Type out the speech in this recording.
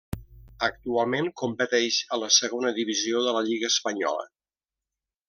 Actualment competeix a la Segona Divisió de la lliga espanyola.